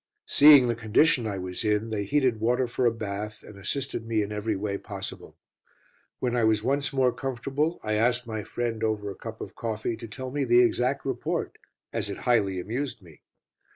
Seeing the condition I was in, they heated water for a bath, and assisted me in every way possible. When I was once more comfortable, I asked my friend, over a cup of coffee, to tell me the exact report, as it highly amused me.